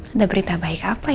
ada berita baik apa